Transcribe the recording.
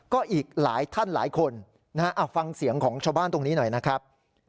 ก็อีกหลายท่านหลายคนนะฮะฟังเสียงของชาวบ้านตรงนี้หน่อยนะครับ